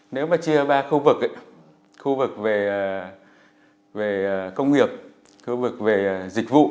nếu mà chia ba khu vực khu vực về công nghiệp khu vực về dịch vụ